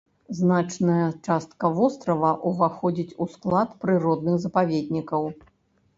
Значная частка вострава ўваходзіць у склад прыродных запаведнікаў.